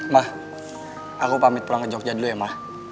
mah aku pamit pulang ke jogja dulu ya ma